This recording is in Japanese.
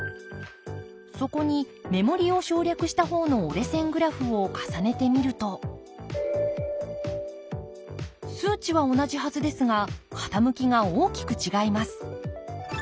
そこに目盛りを省略した方の折れ線グラフを重ねてみると数値は同じはずですが傾きが大きく違います。